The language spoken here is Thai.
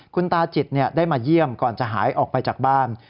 คุณตาจิตได้มาเยี่ยมก่อนจะหายออกไปจากบ้าน